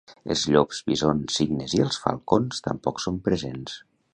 Els llops, bisons, cignes i els falcons tampoc són presents.